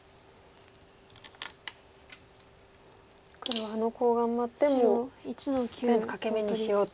黒はあのコウを頑張ってもう全部欠け眼にしようと。